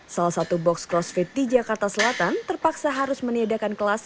salah satu box crossfit di jakarta selatan terpaksa harus meniadakan kelas